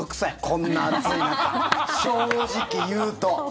こんな暑い中、正直言うと。